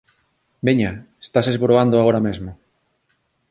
“Veña! Estase esboroando agora mesmo.